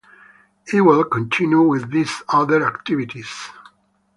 Ewald continued with his other activities.